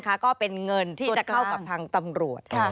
ก็เป็นเงินที่จะเข้ากับทางตำรวจค่ะ